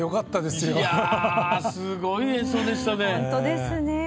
すごい演奏でしたね。